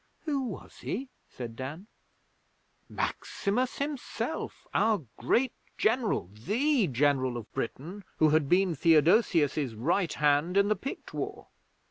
'Who was he?' said Dan. 'Maximus himself, our great General! The General of Britain who had been Theodosius's right hand in the Pict War!